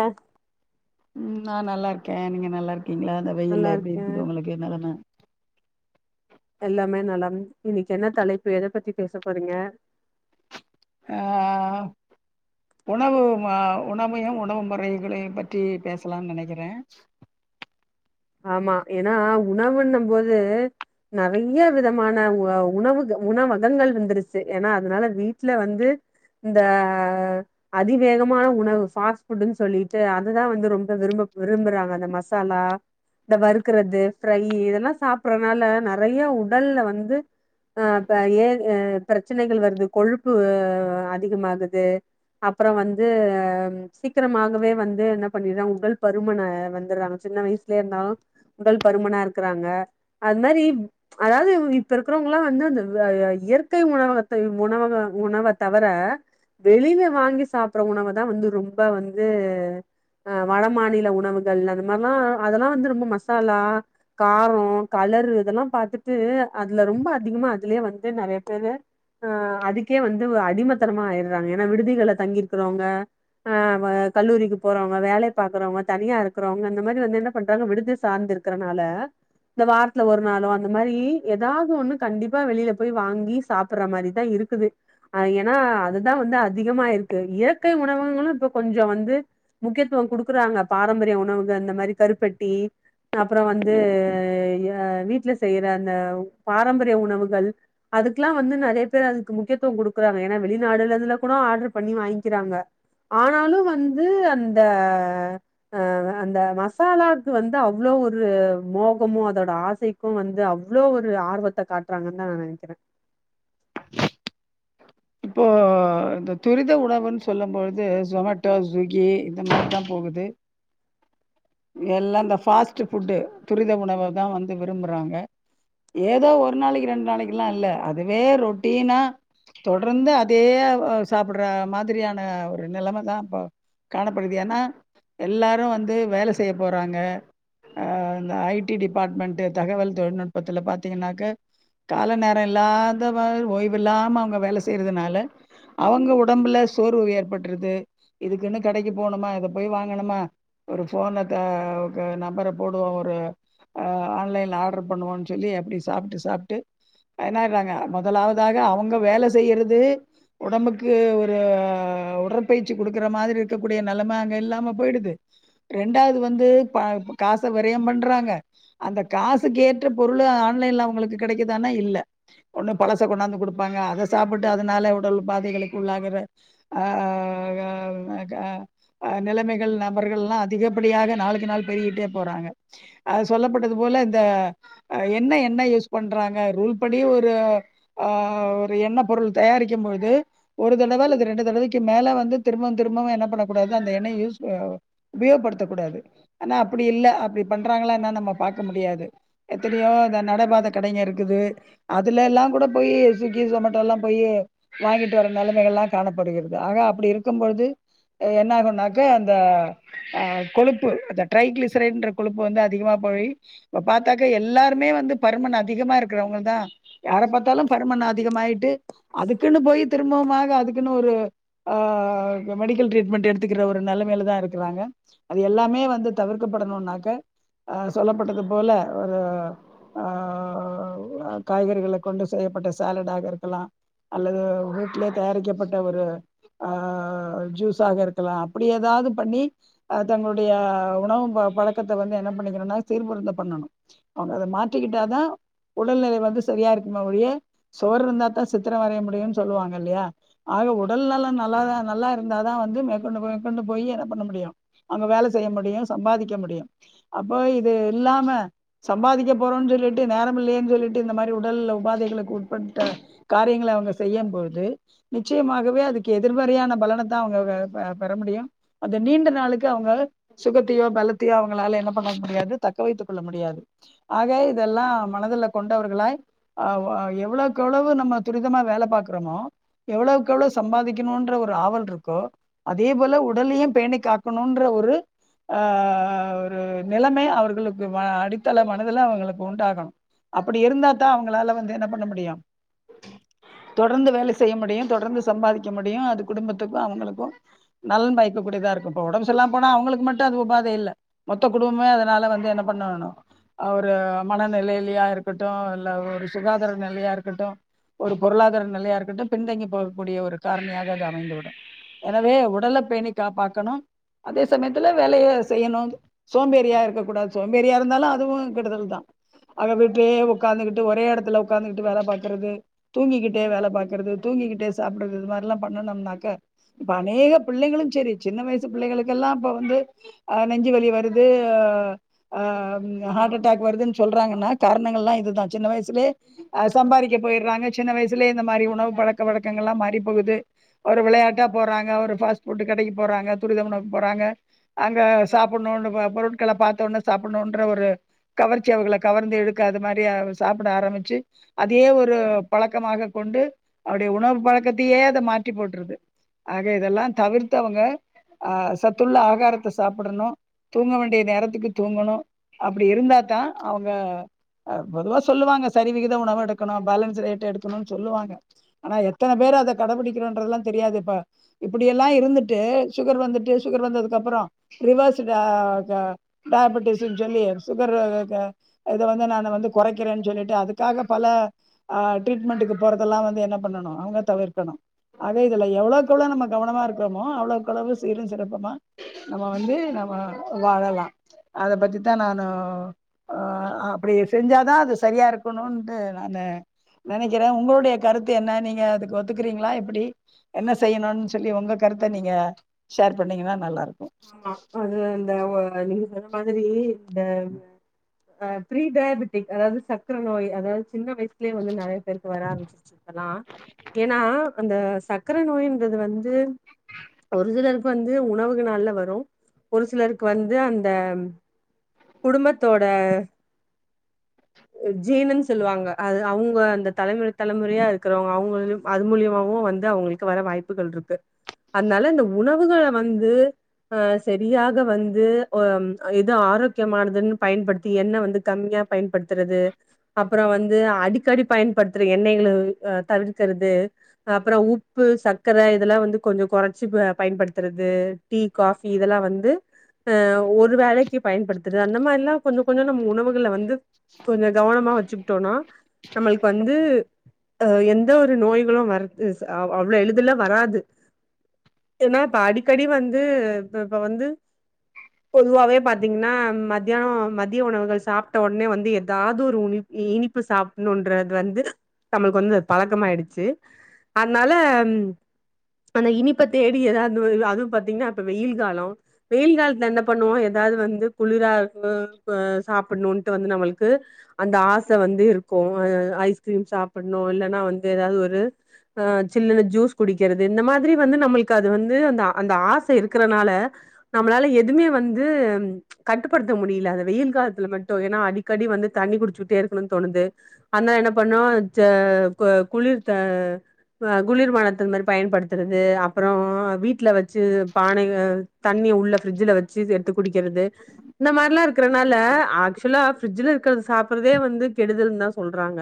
அ ம் நா நல்லா இருக்கன் நீங்க நல்லா இருக் இருக்கீங்களா இந்த நல்லா வெயில்ல எப்டி இருக்கே இருக்குது உங்களுக்கு நெலம எல்லாமே நலம் இன்னிக்கு என்ன தலைப்பு எத பத்தி பேச போறீங்க ஆ உணவு ஆ உணவையும் உணவு முறைகளையு பற்றி பேசலானு நெனைக்கிறேன் ஆமா ஏன்னா உணவுன்னு போது நெறைய விதமான உ உணவுக உணவகங்கள் வந்துருச்சு ஏன்னா அதனால வீட்டுல வந்து இந்த ஆ அதிவேகமான உணவு பாஸ்ட் புட்டுன்னு சொல்லிட்டு அதுதா வந்து ரொம்ப விரும்ப விரும்புறாங்க அந்த மசாலா இந்த வறுக்கிறது ஃப்ரை இதெல்லாம் சாப்டுறதுனால நெறைய உடல்ல வந்து ஆ ஏக பிரச்சனைகள் வருது கொழுப்பு ஆ அதிகமாகுது அப்புறம் வந்து ஆ சீக்கிரமாகவே வந்து என்ன பண்ணிட்ற உடல் பருமன வந்துடுறாங்க சின்ன வயசு இருந்தாலும் உடல் பருமனா இருக்கிறாங்க அது மாரி அதாவது இப்ப இருக்கிறவங்களா வந்து அந்த இயற்கை உணவகத்தை உணவக உணவை தவிர வெளில வாங்கி சாப்பட்ற உணவை தா வந்து ரொம்ப வந்து ஆ வட மாநில உணவுகள் அந்த மாரில்லா அதெல்லா வந்து ரொம்ப மசாலா காரோம் கலரு இதெல்லா பாத்துட்டு அதுல ரொம்ப அதிகமா அதுலயே வந்து நெறைய பேரு ஆ அதுக்கே வந்து ஒரு அடிமத்தனமா ஆயிட்றாங்க ஏன்னா விடுதிகள்ள தங்கியிருக்கறவங்க ஆ கல்லூரிக்கு போறவங்க வேலை பாக்கறவங்க தனியா இருக்கிறவங்க அந்த மாரி வந்து என்ன என்ன பண்றாங்க விடுதிய சார்ந்து இருக்கறதுனால இந்த வாரத்துல ஒரு நாளோ அந்த மாரி எதாது ஒண்ணு கண்டிப்பா வெளியில போய் வாங்கி சாப்படுற மாரி தா இருக்குது ஏன்னா அதுதா வந்து அதிகமா இருக்கு இயற்கை உணவுகளும் இப்ப கொஞ்ச வந்து முக்கியத்துவ கொடுக்குறாங்க பாரம்பரிய உணவுங்க அந்த மாரி கருப்பட்டி அப்பறம் வந்து ஆ வீட்ல செய்ற அந்த பாரம்பரிய உணவுகள் அதுக்கெல்லா வந்து நெறைய பேர் அதுக்கு முக்கியத்துவ கொடுக்குறாங்க ஏன்னா வெளிநாடுல கூட ஆர்டர் பண்ணி வாங்கிக்கிறாங்க ஆனாலும் வந்து அந்த அந்த மசாலாக்கு வந்து அவ்ளோ ஒரு மோகமு அதோட ஆசைக்கு வந்து அவ்ளோ ஒரு ஆர்வத்தை காட்டுறாங்கனு தா நா நெனைக்கிற இப்போ இந்த துரித உணவுனு சொல்லும்பொழுது ஜொமேட்டோ ஸ்விகி இந்த மாரிதான் போகுது எல்லா இந்த பாஸ்ட் புட் துரித உணவை தா வந்து விரும்புறாங்க ஏதோ ஒரு நாளைக்கு ரெண்டு நாளைக்கு எல்லா இல்ல அதுவே ரொட் டீனா தொடர்ந்து அதே ஆ சாப்டுற மாரியான ஒரு நெலம தா இப்போ காணப்படுது ஏன்னா எல்லாரு வந்து வேல செய்ய போறாங்க இந்த ஐடி டிபார்ட்மெண்ட் தகவல் தொழில்நுட்பத்தில பார்த்தீங்கன்னாக்க கால நேரோ இல்லாத மா ஓய்வு இல்லாம அவுங்க வேல செய்றதுனால அவங்க உடம்புல சோர்வு ஏற்பட்டுறது இதுக்குன்னு கடைக்கு போணுமா இத போய் வாங்கணுமா ஒரு போன ஆ நம்பர போடுவோம் ஒரு ஆன்லைன்ல ஆர்டர் பண்ணுவோம் சொல்லி அப்டி சாப்ட்டு சாப்ட்டு அதனா முதலாவதாக அவுங்க வேல செய்றது உடம்புக்கு ஒரு ஆ உடற்பயிற்சி கொடுக்குற மாரி இருக்கக்கூடிய நெலம அங்க இல்லாம போயிடுது ரெண்டாவது வந்து காச வெரைய பண்றாங்க அந்த காசுக்கு ஏற்ற பொருள் ஆன்லைல அவங்களுக்கு கெடைக்குதா நா இல்ல ஒன் பலச கொண்டாந்து கொடுப்பாங்க அத சாப்ட்டு அதனால உடல் பாதைகளுக்கு உள்ளாகிற ஆ க நிலைமைகள் நபர்கள்லா அதிகப்படியாக நாளுக்கு நாள் பெருகிட்டே போறாங்க அது சொல்லப்பட்டது போல இந்த என்ன என்ன யூஸ் பண்றாங்க ரூல் படி ஒரு ஆ ஒரு எண்ணெ பொருள் தயாரிக்கு பொழுது ஒரு தடவை அல்லது ரெண்டு தடவைக்கு மேல வந்து திரும்பவ திரும்பவும் அந்த எண்ணெய யூஸ் ஆ உபயோகப்படுத்தக்க கூடாது ஆனா அப்டி இல்ல அப்டி பண்றாங்களா என்னா நம்ம பாக்க முடியாது எத்தனையோ இந்த நடைபாதை கடங்க இருக்குது அதுல எல்லாம் கூட போயி ஸ்விகி ஜொமேட்டோ எல்லா போய் வாங்கிட்டு வர நெலமைகல்லா காணப்படுகிறது ஆக அப்டி இருக்கும்பொழுது என்ன ஆகும்னாக்க ஆ அந்த கொழுப்பு அந்த ட்ரய்க்ளிசரின்ற கொழுப்பு அதிகமா போயி இப்ப பாத்தக்கா எல்லாருமே வந்து பருமன் அதிகமா இருக்கவங்க தா யார பாத்தாலும் பருமன் அதிகமாயிட்டு அதுக்குன்னு போயி தெ திரும்பமாக அதுக்குன்னு ஒரு ஆ மெடிக்கல் ட்ரீட்மெண்ட் எடுத்துக்குற ஒரு நெலமையில தா இருக்கிறாங்க அது எல்லாமே வந்து தவிர்க்கப்படணுனாக்க சொல்லப்பட்டது போல ஒரு ஆ காய்கறிகள கொண்டு செய்யப்பட்ட சாலட் ஆக இருக்கலாம் அல்லது வீட்லியே தயாரிக்கப்பட்ட ஒரு ஆ ஜூஸாக இருக்கலாம் அப்டி ஏதாது பண்ணி தங்களுடைய உணவு பழக்கத்தை வந்து என்ன பண்ணிக்கணுனா [unintelligible] பண்ணனும் அவங்க அத மாத்திக்கிட்டா தா உடல்நிலை வந்து சரியா இரு [unintelligible] சொவர் இருந்த தா சித்திர வரைய முடியு சொல்லுவாங்க இல்லையா ஆக உடல் நலோ நல்ல இருந்தா தா வந்து மேற்கொண்டு மேற்கொண்டு போயி என்ன பண்ண முடியு அங்க வேலை செய்ய முடியு சம்பாதிக்க முடியு அப்போ இது இல்லாம சம்பாதிக்க போறோனு சொல்லிட்டு நேரம் இல்லையேனு சொல்லிட்டு இந்த மாரி உடல் உபாதைகளுக்கு உட்பட்ட காரியங்கள அவங்க செய்யும்பது நிச்சயமாகவே அதுக்கு எதிர்மாறியான பலனத்தான் அவங்க பெற முடியும் அதை நீண்ட நாளுக்கு அவங்க சுகத்தையோ பெலத்தையோ அவங்களால என்ன பண்ண முடியாது தக்க வைத்துக் கொள்ள முடியாது ஆக இதெல்லாம் மனதுல கொண்டவர்களாய் ஆஹ் எவ்வளவுக்கு எவ்வளவு நம்ம துரிதமா வேல பாாக்கறோமோ எவ்வளவுக்கு எவ்வளவு சம்பாதிக்கணும்ன்ற ஒரு ஆவல் இருக்கோ அதே போல உடல்லையும் பேணி காக்கணும்ன்ற ஒரு ஆஹ் ஒரு நிலமை அவர்களுக்கு அடித்தள மனதல அவங்களுக்கு உண்டாகணும் அப்படி இருந்தா தான் அவங்க ளால வந்து என்ன பண்ண முடியும் தொடர்ந்து வேலை செய்ய முடியும் தொடர்ந்து சம்பாதிக்க முடியும் அது குடும்பத்துக்கும் அவங்களுக்கும் நலன் வாய்கக்க கூடியதா இருக்கும் உடம்பு சரில்லாம போனா அவங்களுக்கு மட்டும் அது உபாதை இல்லை மொத்த குடும்பமே அதனால வந்து என்ன பண்ணணும் மனநிலையிலயா இருக்கட்டும் இல்ல சுகாதார நெலையா இருக்கட்டும் ஒரு பொருளாதார நெலையா இருக்கட்டும் பின்தங்கி போகக்கூடிய ஒரு காரணியாக அமைந்துவிடும் எனவே உடல பேணி காப்பாக்கணும் அதே சமயத்தில் வேலையை செய்யணும் சோம்பேறா இருக்கக்கூடாது சோம்பேரியா இருந்தாலும் அதுவும் கெடுதல் தான் வீட்லே உட்கார்ந்துட்டு ஒரே எடத்துல உக்காந்துகிட்டு வேல பாக்கறது தூங்கிகிட்டே வேல பாக்றது தூங்கிகிட்டே சாப்பிடுறது இது மாரில்லாம் பண்ணுனோம்னாக்க அநேக பிள்ளைகளும் சரி சின்ன வயசு பிள்ளைக பார்த்தல்லாம் இப்ப வந்து நெஞ்சு வலி வருது அஹ் ஹா அட்டாக் வருது சொல்றாங்கன்ன காரணங்கல்லாம் இதுதான் சின்ன வயசுலே அஹ் சம்பாதிக்க போயிறாங்க சின்ன வயசுலே இந்த மாரி உணவு பழக்க வழக்கங்கள் எல்லாம் மாறி போகுது ஒரு விளையாட்டா போறாங்க ஒரு பாஸ்ட் புட் கடைக்கு போறாங்க துரித உணவு போறாங்க அங்க சாப்பிடணு பொருட்கள பார்த்த உனே சாப்பிடணும்ன்ற ஒரு கவர்ச்சி அவகளை கவர்ந்துஇழுக்க அது மாரி சாப்பிட ஆரம்பிச்சு அதே ஒரு பழக்கமாக கொண்டு அவர்களோடய உணவு பழக்கத்தையே அதை மாற்றி போட்டுது ஆக இதெல்லாம் தவிர்த்து அவங்க அஹ் சத்துள்ள ஆகாரத்த சாப்பிடணும் தூங்க வேண்டிய நேரத்துக்கு தூங்கணும் அப்படி இருந்தா தான் அவங்க பொதுவா சொல்லுவாங்க சரிவிகித உணவு எடுக்கணும் பேலன்ஸ் டயட் எடுக்கணும்னு சொல்லுவாங்க ஆனா எத்தன பேர் அத கடைபிடிக்கிறோன்றது எல்லாம் தெரியாது இப்பா இப்படி எல்லாம் இருந்துட்டு சுகர் வந்துட்டு சுகர் வந்ததுக்கப்புறம் ரிவர்ஸ் அஹ் டயாபட்டிக்ஸ் சொல்லி சுகர் இத வந்து கொரச்சி க்கிறேன்னு சொல்லிட்டு அதுக்காக பல ட்ரீட்மென்ட்க்கு போறதெல்லாம் வந்து என்ன பண்ணும் அவங்க தவிர்க்கணும் அவைகள எவ்வளவுக்கு எவ்ளவு நம்ம கவனமா இருக்கிறோமோ அவ்வளவுக்கு அவ்ளோ சீரும் சிறப்புமா நம்ம வந்து நாம வாழலாம் அத பத்தி தான் நான் அப்படி செஞ்சாதான் சரியா இருக்கணும்ட்டு நான் நினைக்கிறேன் உங்களுடைய கருத்து என்ன நீங்க அதுக்கு ஒத்துக்கறீங்களா எப்படி என்ன செய்யணும்னு சொல்லி உங்க கருத்தை நீங்க ஷேர் பண்ணீங்கன்னா நல்லா இருக்கும் ஆஹ் அதுந்த மாதிரி இந்த ஃப்ரீ டயாபட்டிக் அதாவது சக்கர நோய் அதாவது சின்ன வயசு வந்து நிறைய பேருக்கு வராது லாம் ஏன்னா அந்த சக்கர நோயன்றது வந்து ஒரு சிலருக்கு வந்து உணவுகள்னால வருது ஒரு சிலருக்கு வந்து அந்த குடும்பத்தோட ஜீனுன் சொல்லுவாங்க அது அவங்க அந்த தலைமுறை தலைமுறையா இருக்கிறவங்க அவங்க அது மூலியமாவும் வந்து அவங்களுக்கு வர வாய்ப்புகள் இருக்கு அதனால இந்த உணவுகள வந்து அஹ் சரியாக வந்து அஹ் எது ஆரோக்கியமானதுன்னு பயன்படுத்தி எண்ணெய் வந்து கம்மியா பயன்படுத்துறது அப்புறம் வந்து அடிக்கடி பயன்படுத்துற எண்ணெய்கள தவிர்க்கறது அப்புறம் உப்பு சர்க்கரை இதெல்லாம் வந்து கொஞ்சம் கொரச்சி பயன்படுத்துறது டீ காபி இதெல்லாம் வந்து அஹ் ஒரு வேலைக்கு பயன்படுத்துறது அந்த மாரில்லாம் கொஞ்சம் கொஞ்சம் நம்ம உணவுக வந்து கொஞ்சம் கவனமா வச்சுக்கிட்டோம்னா நம்மளுக்கு வந்துஅஹ் எந்த ஒரு நோய்களும் வது அவ்ளவு எளிதல வராது ஏன்னா இப்ப அடிக்கடி வந் வந்து இப்ப வந்து பொதுவாவே பா்த்தீங்கன்னா மத்யானம் மத்ய உணவுகள் சாப்புட்ட உடனே வந்து ஏதாவது ஒரு இனிப்பு சாப்ணுன்றது வந்து நம்மளுக்கு வந்து பழக்கமாயிடுச்சு அதனால அந்த இனிப்ப தேடி ஏதாவதுஅதும் பாத் வெயில் காலம் வெயில் காலத்தை என்ன பண்ணுவோம் ஏதாவது வ குளிர சாப்பிடணும் வந்து நமளுக்கு அந்த ஆசை வந்து இருக்கும் ஐஸ்கிரீம் சாப்பிட இல்ாாவது ச குடிக்கிறது இந்த மாதிரி வந்து நம அது வந்து ந்து உள்ள இருக்கறனால நம்மளால எதுவுமே வந்து கட்டுப்படுத்த முடில அந்த வெயில் காலத்துல மட்டும் ஏன்னா அடிக்கடி வந்து தண்ணி குடிச்சுக்கிட்டே இருக்கணும்னு தோணுது அதனால என்ன பண்ணோம் குளிர் குளிர்பானத்த மாதிரி பயன்படுத்துறது அப்புறம் வீட்டுல வச்சு பானையில தண்ணிய உள்ள ஃபரிட்ஜில வச்சு எடுத்து குடிக்கிறது இந்த மாரிலாம் இருக்கிறனால ஆக்சுவலாக ஃபரிட்ஜில இருக்கிறது சாப்பிட்றதே வந்து கெடுதல்ன்னு தான் சொல்றாங்க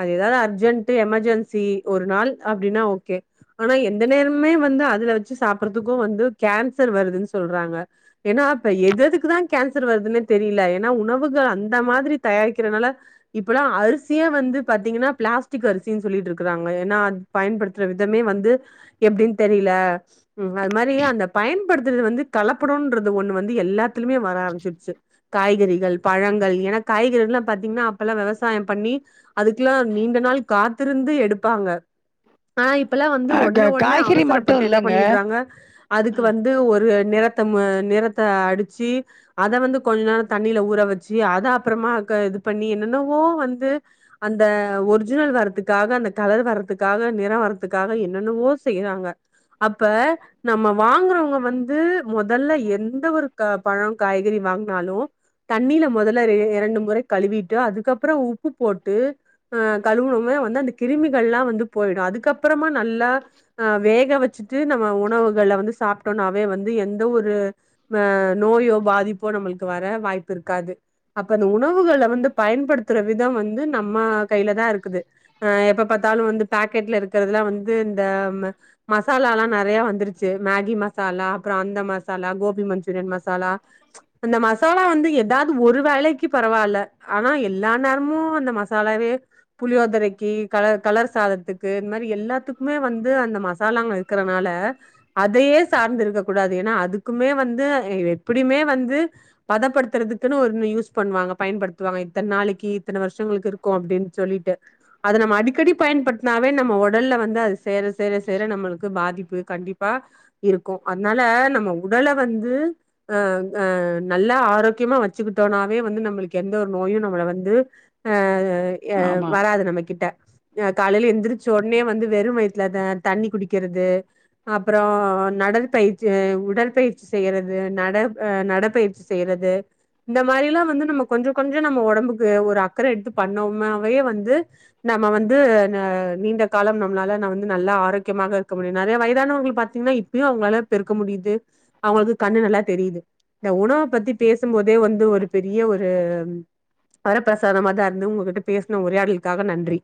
அது எதாவது அர்ஜென்ட் எமர்ஜென்சி ஒரு நாள் அப்படின்னா ஓகே ஆனால் எந்த நேரமுமே வந்து அதில் வச்சு சாப்பறதுக்கும் வந்து கேன்சர் வருதுன்னு சொல்றாங்க ஏன்னா இப்ப எதெதுக்கு தான் கேன்சர் வருதுன்னே தெரில ஏன்னா உணவுகள் அந்த மாதிரி தயாரிக்கிறனால இப்பல்லாம் அரிசியே வந்து பாத்தீங்கன்னா பிளாஸ்டிக் அரிசின்னு சொல்லிட்டு இருக்கறாங்க ஏன்னா அது பயன்படுத்துற விதமே வந்து எப்படின்னு தெரியல அது மாரி அந்த பயன்படுத்துறது வந்து கலப்படம்ன்றது ஒண்ணு வந்து எல்லாத் லுமே வர ஆரமிச்சிச்சி காய்கறிகள் பழங் கள் காய்கறிங்கனா அப்பல்லாம் வெவசாயம் பண்ணி அதுக்கெல்லாம் நீண்ட நாள் காத்திருந்து எடுப்பாங்க ஆனாப் இப்பல்லாம் வந்து அஹ் ஒடனே க- ஒடனே காய்கறி அவசரப்பட்டு மட்டும் என்ன இல்லைங்க பண்ணிட்றாங்க அதுக்கு வந்து ஒரு நிறத்த நிறத்த அடிச்சு அத வந்து கொஞ்ச நேரம் தண்ணில ஊற வச்சு அத அப்புறமா இது பண்ணி என்னென்னவோ வந்து அந்த ஒரிஜினல் வர்றதுக்காக அந்த கலர் வர்றதுக்காக நிறம் வர்றதுக்காக என்னென்னவோ செய்யறாங்க அப்ப நம்ம வாங்கறவங்க வந்து மொதல்ல எந்த ஒரு பழம் காய்கறி வாங்குனாலும் தண்ணில மொதல்ல இரண்டு முறை கழுவிட்டு அதுக்கப்புறம் உப்பு போட்டு அஹ் கழுவுனமே வந்து அந்த கிருமிகள்லாம் வந்து போயிடும் அதுக்கப்புறமா நல்லா வேக வச்சுட்டு நம்ம உணவு கள வந்து சாப்பிட்டோம்னாவே வந்து எந்த ஒரு ஆஹ் நோயோ பாதிப்போ நம்மளுக்கு வர வாய்ப்பு இருக்காது அப்ப அந்த உணவுகள வந்து பயன்படுத்துற விதம் வந்து நம்ம கைல தான் இருக்குது எப்ப பாத்தாலும் பாக்கெட் ல இருக்கிறதுலா வந்து இந்த மசாலாலாம் நிறைய வந்துருச் சி மேகி மசாலா அப்புறம் அந்த மசாலா கோபி மஞ்சூரியன் மசாலா அந்த மா மசாலா வந்து ஏதாவது ஒரு வேலைக்கு பரவாயில்ல ஆனா எல்லா நேரமும் அந்த மசாலாவே புளியோதரைைக்கு கலர் கலர் சாதத்துக்கு இந்த மாதிரி எல்லாத்துக்குமே வந்து அந்த மசாலாங்க இருக்கிறதுனால அதையே சார்ந்து இருக்க கூடாது ஏன்னா அதுக்குமே வந்து எப்படியுமே வந்து பதப்படுத்துறதுக்குன்னு ஒரு யூஸ் பண்ணுவாங்க பயன்படுத்துவாங்க இத்தன நாளைக்கு இத்தன வருஷம் இருக்கும் அப்படின்னு சொல்லிட்டு அத நம்ம அடிக்கடி பயன்படுத்தினாவே நம்ம ஒடல்ல வந்து சேர சேர சேர நம்மளுக்கு பாதிப்பு கண்டிப்பா இருக்கும் அதனால நம்ம உடல வந் வந்து அஹ் அஹ் நல்ல ஆரோக்கியமா வச்சுக்கிட்டோனாவே வந்து நம்மளுக்கு எந்த ஒரு நோயும் நம்மள வந்து ஆஹ் அஹ் ஆமா வராது நம்ம கிட்ட அஹ் காலையில எந்திரிச்சு ஒடனே வந்து வெறும் வயத்துலதான் தண்ணி குடிக்கிறது அப்பறம் நடற்பயிற்சி் உடற்பயிற்சி செய்யறது நடப்பயிற்சி செய்யறது இந்த மாரி எல்லாம் வந்து நம்ம கொஞ்சம் கொஞ்சம் நம்ம உடம்புக்கு ஒரு அக்கறை எடுத்து பண்ணோமாவே வந்து நம்ம வந்து நீண்ட காலம் நம்மளால நம வந்து நல்லா ஆரோக்கியமாக இருக்க முடியும் நெறைய வயது இதுானவங்க பாத்தீங்கன்னா இப்பயும் அவங்களால பெருக்க முடியுது அவங்களுக்கு கண்ணு நல்லா தெரியுது இந்த உணவை பத்தி பேசும்போதே வந்து ஒரு பெரிய ஒரு வரப்பிரசாதமாாதான் இருந்து உங்ககிட்ட பேசின உரையாடலுக்காக நன்றி